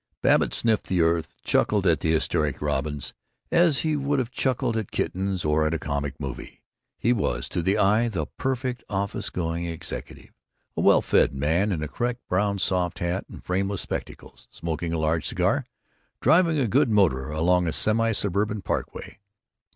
Babbitt sniffed the earth, chuckled at the hysteric robins as he would have chuckled at kittens or at a comic movie. He was, to the eye, the perfect office going executive a well fed man in a correct brown soft hat and frameless spectacles, smoking a large cigar, driving a good motor along a semisuburban parkway.